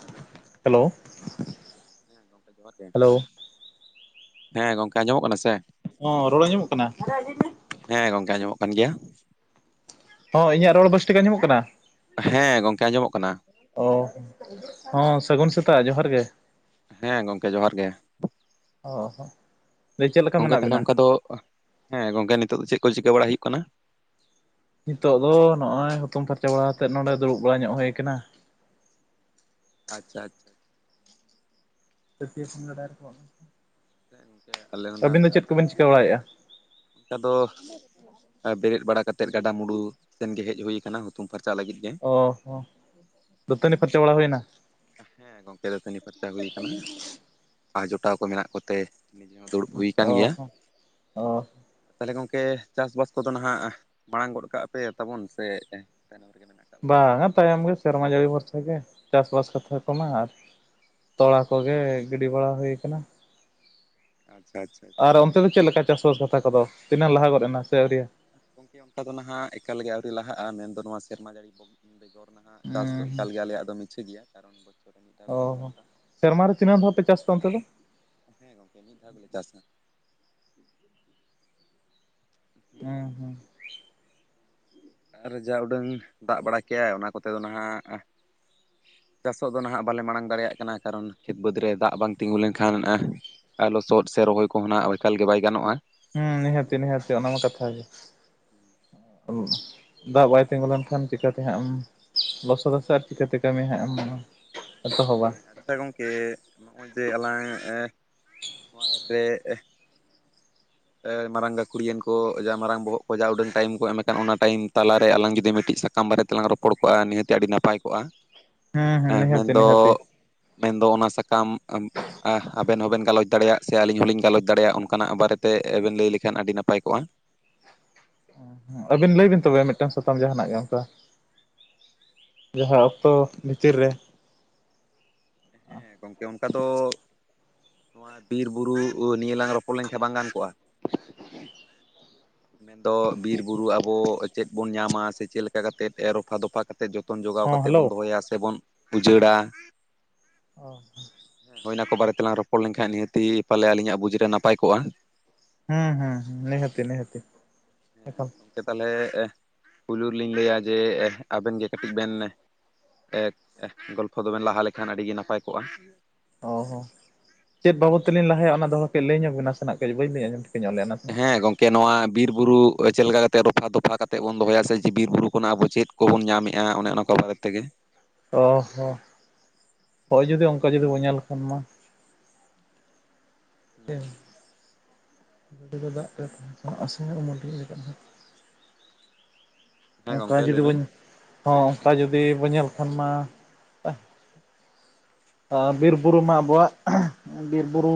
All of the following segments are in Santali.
ᱦᱮᱞᱳ ᱦᱮᱞᱳ ᱦᱮᱸ ᱜᱚᱝᱠᱮ ᱡᱚᱦᱟᱨ ᱜᱮ᱾ ᱦᱮᱞᱳ ᱦᱮᱸ ᱜᱚᱝᱠᱮ ᱟᱸᱡᱚᱢᱚᱜ ᱠᱟᱱᱟ ᱥᱮ? ᱦᱚᱸ ᱨᱚᱲ ᱟᱸᱡᱚᱢᱚᱜ ᱠᱟᱱᱟ? ᱦᱮᱸ ᱜᱚᱝᱠᱮ ᱟᱸᱡᱚᱢᱚᱜ ᱠᱟᱱ ᱜᱮᱭᱟ᱾ ᱦᱚᱸ ᱤᱧᱟᱹᱜ ᱨᱚᱲ ᱵᱮᱥ ᱴᱤᱠ ᱟᱡᱚᱢᱚᱜ ᱠᱟᱱᱟ? ᱦᱮᱸ ᱜᱚᱝᱠᱮ ᱟᱸᱡᱚᱢᱚᱜ ᱠᱟᱱᱟ᱾ ᱚ ᱦᱚᱸ ᱥᱟᱹᱜᱩᱱ ᱥᱮᱛᱟᱜ ᱡᱚᱦᱟᱨ ᱜᱮ᱾ ᱦᱮᱸ ᱜᱚᱝᱠᱮ ᱡᱚᱦᱟᱨ ᱜᱮ᱾ ᱚ ᱦᱚ ᱜᱚᱝᱠᱮ ᱛᱟᱦᱞᱮ ᱚᱱᱠᱟ ᱫᱚ ᱦᱮᱸ ᱜᱚᱝᱠᱮ ᱱᱤᱛᱳᱜ ᱫᱚ ᱪᱮᱫ ᱠᱚ ᱪᱤᱠᱟᱹ ᱵᱟᱲᱟ ᱦᱩᱭᱩᱜ ᱠᱟᱱᱟ? ᱱᱤᱛᱤᱜ ᱫᱚ ᱱᱚᱜ-ᱚᱭ ᱦᱩᱛᱩᱢ ᱯᱷᱟᱨᱪᱟ ᱵᱟᱲᱟ ᱠᱟᱛᱮᱫ ᱱᱚᱸᱰᱮ ᱫᱩᱲᱩᱵ ᱵᱟᱲᱟ ᱧᱚᱜ ᱦᱩᱭ ᱠᱟᱱᱟ᱾ ᱟᱪᱪᱷᱟ ᱟᱪᱪᱷᱟ ᱯᱷᱯᱴᱤᱭᱥᱤ ᱨᱮᱟᱭᱟᱨᱱᱟ [unintelligible] ᱛᱮ ᱤᱱᱠᱮ ᱟᱞᱮ ᱟᱹᱵᱤᱱ ᱫᱚ ᱪᱮᱫ ᱠᱩᱵᱤᱱ ᱪᱤᱠᱟᱹ ᱵᱟᱲᱟᱭᱮᱜ-ᱟ? ᱠᱟᱫᱚ [unintelligible] ᱵᱤᱨᱮᱫ ᱵᱟᱲᱟ ᱠᱟᱛᱮᱫ ᱜᱟᱰᱟ ᱢᱩᱸᱰᱩ ᱥᱮᱱᱜᱮ ᱦᱮᱡ ᱦᱩᱭ ᱠᱟᱱᱟ ᱦᱩᱛᱩᱢ ᱯᱷᱟᱨᱪᱟ ᱞᱟᱹᱜᱤᱫ ᱜᱮ᱾ ᱚ ᱦᱚᱸ ᱫᱟᱹᱛᱟᱹᱱᱤ ᱯᱷᱟᱨᱪᱟ ᱵᱟᱲᱟ ᱦᱩᱭᱱᱟ? ᱦᱮᱸ ᱜᱚᱝᱠᱮ ᱫᱟᱹᱛᱟᱹᱱᱤ ᱯᱷᱟᱨᱪᱟ ᱦᱩᱭ ᱠᱟᱱᱟ ᱟᱨ ᱡᱚᱴᱟᱣ ᱠᱚ ᱢᱮᱱᱟᱜ ᱠᱚᱛᱮ ᱱᱤᱡᱮ ᱦᱚᱸ ᱫᱩᱲᱩᱵ ᱦᱩᱭ ᱠᱟᱱ ᱚ ᱜᱮᱭᱟ, ᱦᱚᱸ ᱚ ᱛᱟᱦᱞᱮ ᱜᱚᱝᱠᱮ ᱪᱟᱥᱵᱟᱥ ᱠᱚᱫᱚ ᱱᱟᱦᱟᱜ ᱢᱟᱲᱟᱝ ᱜᱚᱫ ᱠᱟᱜ ᱯᱮ ᱛᱟᱵᱚᱱ ᱥᱮ ᱛᱟᱭᱱᱚᱢ ᱨᱮ ᱜᱮ ᱢᱮᱱᱟᱜ ᱠᱟᱜ ᱵᱟᱝᱟ ᱛᱟᱭᱚᱢ ᱜᱮ ᱥᱮᱨᱢᱟ ᱡᱟᱹᱲᱤ ᱵᱷᱚᱨᱥᱟ ᱜᱮ, ᱪᱟᱥᱵᱟᱥ ᱠᱟᱛᱷᱟ ᱠᱚᱢᱟ ᱟᱨ ᱛᱚᱲᱟ ᱠᱚᱜᱮ ᱜᱤᱰᱤ ᱵᱟᱲᱟ ᱦᱩᱭ ᱠᱟᱱᱟ᱾ ᱟᱪᱪᱷᱟ ᱟᱪᱪᱷᱟ᱾ ᱟᱨ ᱚᱱᱛᱮ ᱫᱚ ᱪᱮᱫ ᱞᱮᱠᱟ ᱪᱟᱥ-ᱵᱟᱥ ᱠᱟᱛᱷᱟ ᱠᱚᱫᱚ ᱛᱤᱱᱟᱹᱜ ᱞᱟᱦᱟ ᱜᱚᱫ ᱮᱱᱟ ᱥᱮ ᱟᱹᱣᱨᱤᱭᱟᱹ? ᱜᱚᱢᱠᱮ ᱚᱝᱠᱟ ᱫᱚ ᱱᱟᱦᱟᱸᱜ ᱮᱠᱟᱞ ᱜᱮ ᱟᱹᱣᱨᱤ ᱞᱟᱦᱟᱜᱼᱟ ᱢᱮᱱᱫᱚ ᱱᱚᱣᱟ ᱥᱮᱨᱢᱟ ᱡᱟᱹᱲᱤ ᱵᱚᱱ ᱵᱮᱜᱚᱨ ᱱᱟᱦᱟᱸᱜ ᱪᱟᱥ ᱫᱚ ᱦᱩᱸ ᱮᱠᱟᱞ ᱜᱮᱭᱟ ᱟᱞᱮᱭᱟᱜ ᱫᱚ ᱢᱤᱪᱷᱟᱹ ᱜᱮᱭᱟ᱾ ᱠᱟᱨᱚᱱ ᱵᱚᱪᱷᱚᱨ ᱨᱮ ᱢᱤᱫ ᱫᱷᱟᱣ ᱚ ᱜᱮᱞᱮ ᱪᱟᱥᱟ ᱥᱮᱨᱢᱟ ᱨᱮ ᱛᱤᱱᱟᱹᱜ ᱫᱷᱟᱳ ᱯᱮ ᱪᱟᱥ ᱜᱮᱣᱟ ᱚᱱᱛᱮ ᱫᱚ? ᱦᱮᱸ ᱜᱚᱝᱠᱮ ᱢᱤᱫ ᱫᱷᱟᱣ ᱜᱮᱞᱮ ᱪᱟᱥᱟ᱾ ᱦᱪ ᱦᱮᱸ ᱦᱩᱸ᱾ ᱟᱨ ᱡᱟ ᱩᱰᱟᱹᱝ ᱫᱟᱜ ᱵᱟᱲᱟ ᱠᱮᱜᱼᱟᱭ ᱚᱱᱟ ᱠᱚᱛᱮ ᱫᱚ ᱱᱟᱦᱟᱸᱜ ᱪᱟᱥᱚᱜ ᱫᱚ ᱱᱟᱦᱟᱸᱜ ᱵᱟᱞᱮ ᱢᱟᱲᱟᱝ ᱫᱟᱲᱮᱭᱟᱜ ᱠᱟᱱᱟ ᱠᱟᱨᱚᱱ ᱠᱷᱮᱛ ᱵᱟᱹᱫᱽ ᱨᱮ ᱫᱟᱜ ᱵᱟᱝ ᱛᱤᱸᱜᱩ ᱞᱮᱱᱠᱷᱟᱱ ᱟ ᱞᱚᱥᱚᱫ ᱥᱮ ᱨᱚᱦᱚᱭ ᱠᱚᱦᱚ ᱱᱟᱸᱜ ᱮᱠᱟᱞ ᱜᱮ ᱵᱟᱭ ᱜᱟᱱᱚᱜᱼᱟ᱾ ᱦᱩᱸ ᱱᱤᱦᱟᱹᱛᱤ ᱱᱤᱦᱟᱹᱛᱤ ᱚᱱᱟᱢᱟ ᱠᱟᱛᱷᱟ ᱜᱮ᱾ ᱫᱟᱜ ᱵᱟᱭ ᱛᱤᱸᱜᱩ ᱞᱮᱱᱠᱷᱟᱱ ᱪᱤᱠᱟᱹᱛᱮ ᱦᱟᱸᱜ ᱮᱢ ᱞᱚᱥᱚᱫᱟ ᱥᱟ ᱟᱨ ᱪᱤᱠᱟᱹᱛᱮ ᱠᱟᱹᱢᱤ ᱦᱟᱸᱜ ᱮᱢ ᱢᱟ ᱦᱮᱸ ᱟᱪᱪᱷᱟ ᱜᱚᱝᱠᱮ ᱱᱚᱜᱼᱚᱭ ᱡᱮ ᱟᱞᱟᱝ ᱮ ᱱᱚᱣᱟ ᱮᱯ ᱨᱮ [inaudible] ᱮ ᱢᱟᱨᱟᱝ ᱜᱟᱹᱠᱷᱩᱲᱤᱮᱱ ᱠᱚ ᱡᱟ ᱢᱟᱨᱟᱝ ᱵᱚᱦᱚᱜ ᱠᱚ ᱡᱟ ᱩᱰᱟᱹᱝ ᱴᱟᱭᱤᱢ ᱠᱚ ᱮᱢ ᱠᱟᱱ ᱚᱱᱟ ᱴᱟᱭᱤᱢ ᱛᱟᱞᱟᱨᱮ ᱟᱞᱟᱝ ᱡᱩᱫᱤ ᱢᱤᱫᱴᱤᱡ ᱥᱟ ᱛᱟᱢ ᱵᱟᱨᱮ ᱛᱮᱞᱟᱝ ᱨᱚᱯᱚᱲ ᱠᱚᱜᱼᱟ ᱱᱤᱦᱟᱹᱛ ᱜᱮ ᱟᱹᱰᱤ ᱱᱟᱯᱟᱭ ᱠᱚᱜᱼᱟ᱾ ᱦᱩᱸ ᱦᱩᱸ ᱱᱤᱦᱟᱹᱛᱤ ᱢᱮᱱᱫᱚ ᱱᱤᱦᱟᱹᱛᱤ᱾ ᱢᱮᱱᱫᱚ ᱚᱱᱟ ᱥᱟᱠᱟᱢ ᱟᱢ ᱟ ᱟᱵᱮᱱ ᱦᱚᱸᱵᱮᱱ ᱜᱟᱞᱚᱪ ᱫᱟᱲᱮᱭᱟᱜᱼᱟ ᱥᱮ ᱟᱹᱞᱤᱧ ᱦᱚᱸᱞᱤᱧ ᱜᱟᱞᱚᱪ ᱫᱟᱲᱮᱭᱟᱜ ᱚᱱᱠᱟᱱᱟᱜ ᱵᱟᱨᱮᱛᱮ ᱵᱮᱱ ᱞᱟᱹᱭ ᱞᱮᱠᱷᱟᱱ ᱟᱹᱰᱤ ᱱᱟᱯᱟᱭ ᱠᱚᱜᱼᱟ᱾ ᱟᱹᱵᱤᱱ ᱞᱟᱹᱭ ᱵᱤᱱ ᱛᱚᱵᱮ ᱢᱤᱫᱴᱟᱝ ᱥᱟᱛᱟᱢ ᱡᱟᱦᱟᱸᱱᱟᱜ ᱜᱮ ᱚᱝᱠᱟ᱾ ᱡᱟᱦᱟᱸ ᱚᱠᱛᱚ ᱵᱷᱤᱛᱤᱨ ᱨᱮ ᱦᱮᱸ ᱜᱚᱝᱠᱮ ᱚᱱᱠᱟ ᱫᱚ ᱱᱚᱣᱟ ᱵᱤᱨ ᱵᱩᱨᱩ ᱱᱤᱭᱟᱹ ᱞᱟᱝ ᱨᱚᱯᱚᱲ ᱞᱮᱱᱠᱷᱟᱱ ᱵᱟᱝ ᱜᱟᱱ ᱠᱚᱜᱼᱟ? ᱸ [inaudible] ᱢᱮᱱᱫᱚ ᱵᱤᱨ ᱵᱩᱨᱩ ᱟᱵᱚ ᱪᱮᱫ ᱵᱚᱱ ᱧᱟᱢᱟ ᱥᱮ ᱪᱮᱫ ᱞᱮᱠᱟ ᱠᱟᱛᱮᱫ ᱨᱚᱯᱷᱟ ᱫᱚᱯᱷᱟ ᱠᱟ ᱛᱮ ᱡᱚᱛᱚᱱ ᱡᱚᱜᱟᱣ ᱦᱚᱸ ᱠᱟᱛᱮ ᱦᱮᱞᱳ ᱵᱚᱱ ᱫᱚᱦᱚᱭᱟ ᱥᱮᱵᱚᱱ ᱩᱡᱟᱹᱲᱟ, ᱚ ᱦᱚᱸ᱾ ᱦᱳᱭ ᱚᱱᱟ ᱠᱚ ᱵᱟᱨᱮ ᱛᱮᱞᱟᱝ ᱨᱚᱯᱚᱲ ᱞᱮᱱᱠᱷᱟᱱ ᱱᱤᱦᱟᱹᱛᱤ ᱯᱟᱞᱮ ᱟᱹᱞᱤᱧᱟᱜ ᱵᱩᱡᱽ ᱨᱮ ᱱᱟᱯᱟᱭ ᱠᱚᱜᱼᱟ᱾ ᱦᱩᱸ ᱦᱩᱸ ᱦᱩᱸ ᱱᱤᱦᱟᱹᱛᱤ ᱱᱤᱦᱟᱹᱛᱤ ᱮᱠᱷᱟᱞ᱾ ᱥᱮ ᱛᱟᱦᱚᱞᱮ ᱯᱩᱭᱞᱩ ᱨᱮ ᱞᱤᱧ ᱞᱟᱹᱭᱟ ᱡᱮ ᱟᱵᱮᱱ ᱜᱮ ᱠᱟᱹᱴᱤᱡ ᱵᱮᱱ ᱮᱫᱽ ᱜᱚᱞᱯᱷᱚ ᱫᱚᱵᱮᱱ ᱞᱟᱦᱟ ᱞᱮᱠᱷᱟᱱ ᱟᱹᱰᱤᱜᱮ ᱱᱟᱯᱟᱭ ᱠᱚᱜᱼᱟ᱾ ᱚ ᱦᱚᱸ ᱪᱮᱫ ᱵᱟᱵᱚᱫ ᱛᱮᱞᱤᱧ ᱞᱟᱦᱟᱭᱟ ᱚᱱᱟ ᱫᱚ ᱠᱟᱹᱴᱤᱡ ᱞᱟᱹᱭ ᱧᱚᱜ ᱵᱮᱱ ᱱᱟᱥᱮᱱᱟᱜ ᱠᱟᱹᱡ ᱵᱟᱹᱧ ᱞᱟᱹᱭ ᱟᱸᱡᱚᱢ ᱴᱷᱤᱠᱟᱹ ᱧᱚᱜ ᱞᱮᱭᱟ᱾ ᱦᱮᱸ ᱜᱚᱢᱠᱮ ᱱᱚᱣᱟ ᱵᱤᱨ ᱵᱩᱨᱩ ᱪᱮᱞ ᱞᱮᱠᱟ ᱠᱟᱛᱮᱫ ᱨᱚᱯᱷᱟ ᱫᱚᱯᱷᱟ ᱠᱟᱛᱮᱫ ᱵᱚᱱ ᱫᱚᱦᱚᱭᱟ ᱥᱮ ᱡᱮ ᱵᱤᱨ ᱵᱩᱨᱩ ᱠᱷᱚᱱᱟᱜ ᱟᱵᱚ ᱪᱮᱫ ᱠᱚᱵᱚᱱ ᱧᱟᱢᱮᱜᱼᱟ ᱚᱱᱮ ᱚᱱᱟ ᱠᱚ ᱵᱟᱨᱮ ᱛᱮᱜᱮ᱾ ᱚ ᱦᱚᱸ ᱦᱳᱭ ᱡᱩᱫᱤ ᱚᱝᱠᱟ ᱡᱩᱫᱤ ᱵᱚᱱ ᱧᱮᱞ ᱞᱮᱠᱷᱟᱱ ᱢᱟ, [inaudible] ᱜᱟᱹᱰᱤ ᱫᱚ ᱫᱟᱜ ᱛᱮ ᱛᱟᱦᱮᱸ ᱦᱚᱪᱚ ᱟᱥᱮ ᱩᱢᱩᱞ ᱨᱮ [inaudible] ᱦᱮᱸ ᱚᱝᱠᱟ ᱜᱚᱝᱠᱮ ᱞᱟᱹᱭ ᱡᱩᱫᱤ ᱵᱤᱱ᱾ ᱵᱚᱱ ᱦᱚᱸ ᱚᱝᱠᱟ ᱡᱩᱫᱤ ᱵᱚᱱ ᱧᱮᱞ ᱠᱷᱟᱱ ᱢᱟ ᱟ ᱵᱤᱨ-ᱵᱩᱨᱩ ᱢᱟ ᱟᱵᱚᱣᱟᱜ ᱵᱤᱨ-ᱵᱩᱨᱩ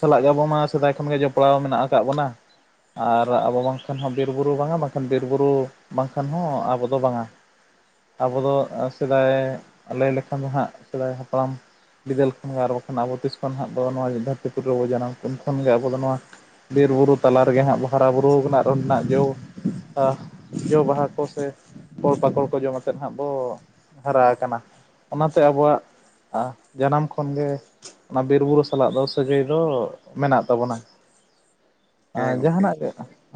ᱥᱟᱞᱟᱜ ᱜᱮ ᱟᱵᱚ ᱢᱟ ᱥᱮᱫᱟᱭ ᱠᱷᱚᱱᱜᱮ ᱡᱚᱯᱲᱟᱣ ᱢᱮᱱᱟᱜ ᱠᱟᱫ ᱵᱚᱱᱟ, ᱟᱨ ᱟᱵᱚ ᱵᱟᱝᱠᱷᱟᱱ ᱦᱚᱸ ᱵᱤᱨᱼᱵᱩᱨᱩ ᱵᱟᱝᱟ, ᱵᱟᱝᱠᱷᱟᱱ ᱵᱤᱨᱼᱵᱩᱨᱩ ᱵᱟᱝᱠᱷᱟᱱ ᱦᱚᱸ ᱟᱵᱚ ᱫᱚ ᱵᱟᱝᱟ᱾ ᱟᱵᱚ ᱫᱚ ᱥᱮᱫᱟᱭ ᱞᱟᱹᱭ ᱞᱮᱠᱷᱟᱱ ᱫᱚ ᱦᱟᱸᱜ ᱥᱮᱫᱟᱭ ᱦᱟᱯᱲᱟᱢ, ᱵᱤᱫᱟᱹᱞ ᱠᱷᱚᱱ ᱜᱮ ᱟᱨ ᱵᱟᱠᱷᱟᱱ ᱟᱵᱚ ᱛᱤᱥ ᱠᱷᱚᱱ ᱦᱟᱸᱜ ᱫᱚ ᱱᱚᱣᱟ ᱫᱷᱟᱹᱨᱛᱤ ᱯᱩᱨ ᱨᱮᱵᱚᱱ ᱡᱟᱱᱟᱢ ᱩᱱ ᱠᱷᱚᱱ ᱜᱮ ᱟᱵᱚ ᱫᱚ ᱱᱚᱣᱟ ᱵᱤᱨᱵᱩᱨᱩ ᱛᱟᱞᱟ ᱨᱮᱜᱮ ᱦᱟᱸᱜ ᱦᱟᱨᱟ ᱵᱩᱨᱩ ᱠᱟᱱᱟ ᱟᱨ ᱚᱸᱰᱮᱱᱟᱜ ᱡᱚ ᱦᱟ ᱡᱚ ᱵᱟᱦᱟ ᱠᱚ ᱥᱮ ᱯᱷᱚᱲ ᱯᱟᱠᱚᱲ ᱠᱚ ᱡᱚᱢ ᱟᱛᱮᱫ ᱦᱟᱸᱜ ᱵᱚ ᱦᱟᱨᱟ ᱟᱠᱟᱱᱟ᱾ ᱚᱱᱟᱛᱮ ᱟᱵᱚᱣᱟᱜ ᱟ ᱡᱟᱱᱟᱢ ᱠᱷᱚᱱᱜᱮ ᱚᱱᱟ ᱵᱤᱨ ᱵᱩᱨᱩ ᱥᱟᱞᱟᱜ ᱫᱚ ᱥᱟᱹᱜᱟᱹᱭ ᱫᱚ ᱢᱮᱱᱟᱜ ᱛᱟᱵᱚᱱᱟ᱾ [inaudible] ᱟᱸ ᱜᱚᱝᱠᱮ ᱡᱟᱦᱟᱸᱱᱟᱜ ᱜᱮ,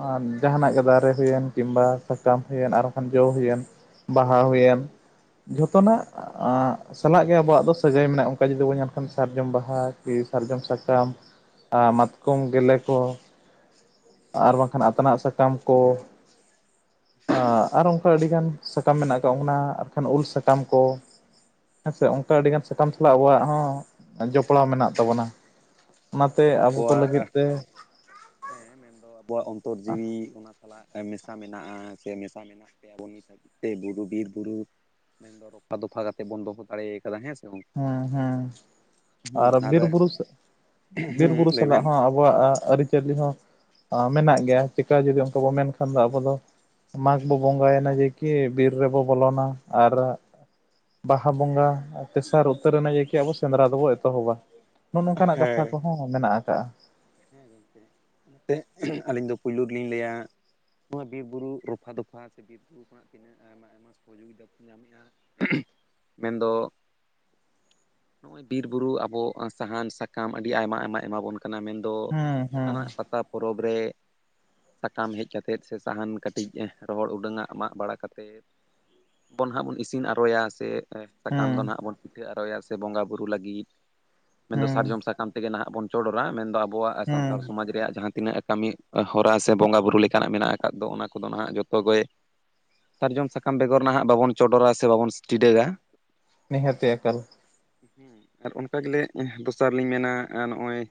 ᱟᱻ ᱡᱟᱦᱟᱸᱱᱟᱜ ᱜᱮ ᱫᱟᱨᱮ ᱦᱩᱭᱮᱱ ᱠᱤᱢᱵᱟ ᱥᱟᱠᱟᱢ ᱦᱩᱭᱮᱱ ᱟᱨ ᱵᱟᱝᱠᱷᱟᱱ ᱡᱚᱸ ᱦᱩᱭᱮᱱ, ᱵᱟᱦᱟ ᱦᱩᱭᱮᱱ ᱡᱷᱚᱛᱚᱱᱟᱜ ᱥᱟᱞᱟᱜ ᱜᱮ ᱟᱵᱚᱣᱟᱜ ᱫᱚᱥ ᱥᱟᱹᱜᱟᱹᱭ ᱢᱮᱱᱟᱜᱼᱟ ᱚᱱᱠᱟ ᱡᱩᱫᱤ ᱵᱚᱱ ᱧᱟᱢ ᱠᱷᱟᱱ ᱥᱟᱨᱡᱚᱢ ᱵᱟᱦᱟ ᱠᱤ ᱥᱟᱨᱡᱚᱢ ᱥᱟᱠᱟᱢ ᱟ ᱢᱟᱛᱠᱚᱢ ᱜᱮᱞᱮ ᱠᱚ, ᱟᱨ ᱵᱟᱝᱠᱷᱟᱱ ᱟᱛᱱᱟᱜ ᱥᱟᱠᱟᱢ ᱠᱚ ᱦᱮᱸ ᱟᱨ ᱚᱱᱠᱟ ᱟᱹᱰᱤᱜᱟᱱ ᱥᱟᱠᱟᱢ ᱢᱮᱱᱟᱜ ᱠᱟᱜᱟ ᱚᱱᱟ ᱟᱨᱠᱷᱟᱱ ᱩᱞ ᱥᱟᱠᱟᱢ ᱠᱚ ᱦᱮᱸᱥᱮ ᱚᱱᱠᱟ ᱟᱹᱰᱤᱜᱟᱱ ᱥᱟᱠᱟᱢ ᱥᱟᱞᱟᱜ ᱟᱹᱵᱚᱣᱟᱜ ᱦᱚᱸ ᱡᱚᱯᱲᱟᱣ ᱢᱮᱱᱟᱜ ᱛᱟᱵᱚᱱᱟ᱾ ᱚᱱᱟᱛᱮ ᱢᱮᱱᱫᱚ ᱟᱵᱚ ᱠᱚ ᱞᱟᱹᱜᱤᱫ ᱟᱵᱚᱣᱟᱜ ᱛᱮ ᱦᱮᱸ ᱢᱮᱱᱫᱚ ᱟᱵᱚᱣᱟᱜ ᱚᱱᱛᱚᱨ ᱡᱤᱣᱤ ᱚᱱᱟ ᱥᱟᱞᱟᱜ ᱦᱮᱸ ᱢᱮᱥᱟ ᱢᱮᱱᱟᱜᱼᱟ ᱥᱮ ᱢᱮᱥᱟ ᱢᱮᱱᱟᱜ ᱯᱮᱭᱟ ᱵᱚᱱ ᱱᱤᱛ ᱦᱟᱹᱵᱤᱜ ᱛᱮ ᱵᱩᱨᱩ ᱵᱤᱨ ᱵᱩᱨᱩ ᱢᱮᱱᱫᱚ ᱨᱚᱯᱷᱟ ᱫᱚᱯᱷᱟ ᱠᱟᱛᱮ ᱵᱚᱱ ᱫᱚᱦᱚ ᱫᱟᱲᱮᱭ ᱠᱟᱫᱟ ᱦᱮᱸᱥᱮ ᱵᱟᱝ, ᱦᱮᱸ ᱦᱮᱸ ᱟᱨ ᱵᱤᱨ ᱵᱩᱨᱩ ᱵᱤᱨ ᱦᱩᱸ ᱵᱩᱨᱩ ᱞᱟᱹᱭ ᱥᱟᱞᱟᱜ ᱵᱮᱱ ᱦᱚᱸ ᱟ ᱵᱚᱣᱟᱜ ᱟᱹᱨᱤᱪᱟᱹᱞᱤ ᱦᱚᱸ ᱢᱮᱱᱟᱜ ᱜᱮᱭᱟ ᱪᱤᱠᱟ ᱡᱩᱫᱤ ᱚᱱᱠᱟ ᱵᱚ ᱢᱮᱱᱠᱷᱟᱱ ᱫᱚ ᱟᱵᱚ ᱫᱚ ᱢᱟᱜᱽ ᱵᱚ ᱵᱚᱸᱜᱟᱭᱮᱱᱟ ᱡᱮᱠᱤ ᱵᱤᱨ ᱨᱮᱵᱚ ᱵᱚᱞᱚᱱᱟ ᱟᱨ ᱵᱟᱦᱟ ᱵᱚᱸᱜᱟ ᱛᱮᱥᱟᱨ ᱩᱛᱟᱹᱨᱱᱟ ᱡᱮᱠᱤ ᱟᱵᱚ ᱥᱮᱸᱫᱽᱨᱟ ᱫᱚᱵᱚ ᱮᱛᱚᱦᱚᱵᱟ ᱱᱚᱜᱼᱚ ᱱᱚᱝᱠᱟᱱᱟᱜ ᱠᱟᱛᱷᱟ ᱦᱮᱸ ᱠᱚᱦᱚᱸ ᱢᱮᱱᱟᱜ ᱠᱟᱜᱼᱟ᱾ ᱦᱮᱸ ᱜᱚᱝᱠᱮ, ᱚᱱᱟᱛᱮ ᱟᱹᱞᱤᱧ ᱫᱚ ᱯᱩᱭᱞᱩ ᱜᱮᱞᱤᱧ ᱞᱟᱹᱭᱟ ᱱᱚᱣᱟ ᱵᱤᱨ ᱵᱩᱨᱩ ᱨᱚᱯᱷᱟ ᱫᱚᱯᱷᱟ ᱥᱮ ᱵᱤᱨ ᱚᱱᱠᱟᱱᱟᱜ ᱪᱤᱱᱦᱟᱹ ᱟᱭᱢᱟ ᱟᱭᱢᱟ ᱥᱚᱦᱚᱡᱳᱜᱤᱛᱟ [unintelligible] ᱧᱟᱢᱮᱜᱼᱟ ᱢᱮᱱᱫᱚ, ᱱᱚᱜᱼᱚᱭ ᱵᱤᱨ ᱵᱩᱨᱩ ᱟᱵᱚ ᱥᱟᱦᱟᱱ ᱥᱟᱠᱟᱢ ᱟᱹᱰᱤ ᱟᱭᱢᱟ ᱟᱭᱢᱟ ᱮᱢᱟᱵᱚᱱ ᱠᱟᱱᱟ ᱢᱮᱱ ᱫᱚ ᱦᱩᱸ ᱦᱩᱸ ᱡᱟᱸᱦᱟᱱᱟᱜ ᱯᱟᱛᱟ ᱯᱚᱨᱚᱵᱽ ᱨᱮ ᱥᱟᱠᱟᱢ ᱦᱮᱡ ᱠᱟᱛᱮᱫ ᱥᱮ ᱥᱟᱦᱟᱱ ᱠᱟᱹᱴᱤᱜ ᱨᱚᱦᱚᱲ ᱩᱰᱟᱹᱝᱟᱜ ᱢᱟᱜ ᱵᱟᱲᱟ ᱠᱟᱛᱮᱫ ᱵᱚᱱ ᱱᱟᱦᱟᱜ ᱵᱚᱱ ᱤᱥᱤᱱ ᱟᱨᱚᱭᱟ ᱥᱮ ᱮ ᱥᱟᱠᱟᱢ ᱦᱩᱸ ᱫᱚ ᱱᱟᱜ ᱵᱚᱱ ᱯᱤᱴᱷᱟᱹ ᱟᱨᱚᱭᱟ ᱥᱮ ᱵᱚᱸᱜᱟ ᱵᱩᱨᱩ ᱞᱟᱹᱜᱤᱫ ᱢᱮᱱᱫᱚ ᱦᱩᱸ ᱥᱟᱨᱡᱚᱢ ᱥᱟᱠᱟᱢ ᱛᱮᱜᱮ ᱱᱟᱦᱟᱜ ᱵᱚᱱ ᱪᱚᱰᱚᱨᱟ ᱢᱮᱱᱫᱚ ᱟᱵᱚᱣᱟᱜ ᱦᱩᱸ ᱥᱟᱱᱛᱟᱲ ᱥᱚᱢᱟᱡᱽ ᱨᱮᱭᱟᱜ ᱡᱟᱸᱦᱟ ᱛᱤᱱᱟᱹᱜ ᱮ ᱠᱟᱹᱢᱤ ᱦᱚᱨᱟ ᱥᱮ ᱵᱚᱸᱜᱟ ᱵᱩᱨᱩ ᱞᱮᱠᱟᱱᱟᱜ ᱢᱮᱱᱟᱜ ᱟᱠᱟᱫ ᱫᱚ ᱚᱱᱟ ᱠᱚᱫᱚ ᱱᱟᱦᱟᱜ ᱡᱚᱛᱚ ᱜᱮ ᱥᱟᱨᱡᱚᱢ ᱥᱟᱠᱟᱢ ᱵᱮᱜᱚᱨ ᱱᱟᱦᱟᱜ ᱵᱟᱵᱚᱱ ᱪᱚᱰᱚᱨᱟ ᱥᱮ ᱵᱟᱵᱚᱱ ᱴᱤᱰᱟᱹᱜᱟ᱾ ᱱᱤᱦᱟᱹᱛᱤ ᱮᱠᱟᱞ᱾ ᱦᱩᱸ ᱟᱨ ᱚᱱᱠᱟ ᱜᱮᱞᱮ ᱮ ᱫᱚᱥᱟᱨ ᱞᱤᱧ ᱢᱮᱱᱟ ᱮᱸ ᱱᱚᱜᱼᱚᱭ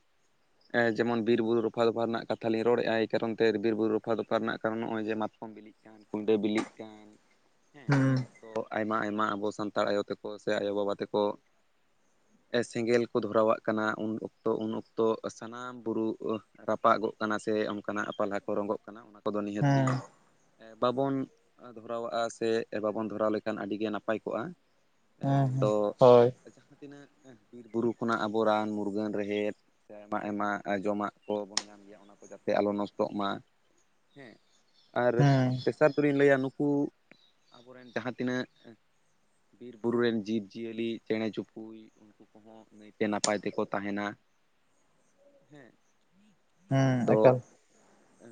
ᱡᱮᱢᱚᱱ ᱵᱤᱨ ᱵᱩᱨᱩ ᱨᱚᱯᱷᱟ ᱫᱚᱯᱷᱟ ᱨᱮᱱᱟᱜ ᱠᱟᱛᱷᱟ ᱞᱤᱧ ᱨᱚᱲᱮᱜᱼᱟ ᱮᱭ ᱠᱟᱨᱚᱱ ᱛᱮ ᱵᱤᱨ ᱵᱩᱨᱩ ᱨᱚᱯᱷᱟ ᱫᱚᱯᱷᱟ ᱨᱮᱱᱟᱜ ᱠᱟᱨᱚᱱ ᱱᱚᱜᱼᱚᱭ ᱡᱮ ᱢᱟᱛᱠᱚᱢ ᱵᱤᱞᱤ ᱠᱟᱱ ᱠᱩᱰᱟᱹ ᱵᱤᱞᱤᱜ ᱠᱟᱱ, ᱩᱸ ᱦᱩᱸ ᱛᱚ ᱟᱭᱢᱟ ᱟᱭᱢᱟ ᱟᱵᱚ ᱥᱟᱱᱛᱟᱲ ᱟᱭᱳ ᱛᱮᱠᱚ ᱥᱮ ᱟᱭᱳ ᱵᱟᱵᱟ ᱛᱮᱠᱚ ᱮ ᱥᱮᱸᱜᱮᱞ ᱠᱚ ᱫᱷᱚᱨᱟᱣᱟᱜ ᱠᱟᱱᱟ ᱩᱱ ᱚᱠᱛᱚ ᱩᱱ ᱚᱠᱛᱚ ᱥᱟᱱᱟᱢ ᱵᱩᱨᱩ ᱨᱟᱯᱟᱜᱚᱜ ᱠᱟᱱᱟ ᱥᱮ ᱚᱱᱠᱟᱱᱟᱜ ᱯᱟᱞᱦᱟ ᱠᱚ ᱨᱚᱝᱜᱚᱜ ᱠᱟᱱᱟ ᱚᱱᱟ, ᱠᱚᱫᱚ ᱱᱤᱦᱟᱹᱛᱤ ᱦᱩᱸ ᱮ ᱵᱟᱵᱚᱱ ᱫᱷᱚᱨᱟᱣᱟᱜᱼᱟ ᱥᱮ ᱵᱟᱵᱚᱱ ᱫᱷᱚᱨᱟᱣ ᱞᱮᱠᱷᱟᱱ ᱟᱹᱰᱤ ᱜᱮ ᱱᱟᱯᱟᱭ ᱠᱚᱜᱼᱟ᱾ ᱦᱩᱸ ᱦᱩᱸ ᱢᱮᱱᱫᱚ ᱦᱳᱭ ᱡᱟᱸᱦᱟ ᱛᱤᱱᱟᱹᱜ ᱵᱤᱨ ᱵᱩᱨᱩ ᱠᱷᱚᱱᱟᱜ ᱟᱵᱚ ᱨᱟᱱ ᱢᱩᱨᱜᱟᱹᱱ ᱨᱮᱦᱮᱫ ᱥᱮ ᱟᱭᱢᱟ ᱟᱭᱢᱟ ᱡᱚᱢᱟᱜ ᱠᱚᱵᱚᱱ ᱧᱟᱢ ᱜᱮᱭᱟ ᱚᱱᱟ ᱠᱚ ᱡᱟᱛᱮ ᱟᱞᱚ ᱱᱚᱥᱴᱚᱜ ᱢᱟ᱾ ᱦᱮᱸ ᱟᱨ ᱦᱩᱸ ᱛᱮᱥᱟᱨ ᱫᱚᱞᱤᱧ ᱞᱟᱹᱭᱟ ᱱᱩᱠᱩ ᱟᱵᱚᱨᱮᱱ ᱡᱟᱸᱦᱟ ᱛᱤᱱᱟᱹᱜᱼᱼ ᱵᱤᱨ ᱵᱩᱨᱩ ᱨᱮᱱ ᱡᱤᱵᱽᱡᱤᱭᱟᱹᱞᱤ ᱪᱮᱬᱮ ᱪᱩᱯᱩᱭ ᱩᱱᱠᱩ ᱠᱚᱦᱚ [inaudible] ᱱᱟᱹᱭᱛᱮ ᱱᱟᱯᱟᱭ ᱛᱮᱠᱚ ᱛᱟᱦᱮᱱᱟ᱾ ᱦᱮᱸ ᱦᱮᱸ ᱢᱮᱱᱫᱚ ᱮᱠᱟᱞ